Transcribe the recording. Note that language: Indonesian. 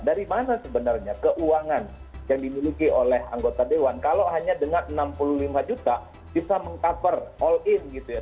dari mana sebenarnya keuangan yang dimiliki oleh anggota dewan kalau hanya dengan enam puluh lima juta bisa meng cover all in gitu ya